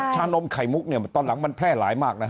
ชานมไข่มุกเนี่ยตอนหลังมันแพร่หลายมากนะ